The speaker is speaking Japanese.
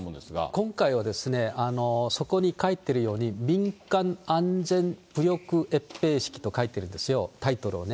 今回はですね、そこに書いてるように民間・安全武力閲兵式と書いてあるんですよ、タイトルをね。